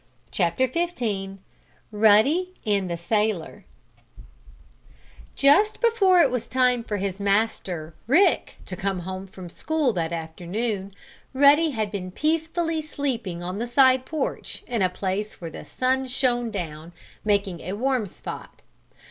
CHAPTER XV RUDDY AND THE SAILOR Just before it was time for his master, Rick, to come home from school that afternoon, Ruddy had been peacefully sleeping on the side porch, in a place where the sun shone down, making a warm spot.